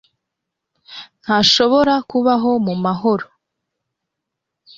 ntashobora kubaho mu mahoro